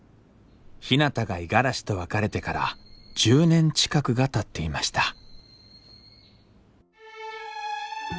ひなたが五十嵐と別れてから１０年近くがたっていました